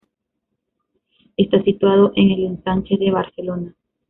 Está situado en el Ensanche de Barcelona.